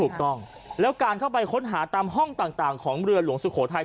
ถูกต้องแล้วการเข้าไปค้นหาตามห้องต่างของเรือหลวงสุโขทัย